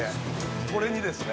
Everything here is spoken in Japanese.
これにですね。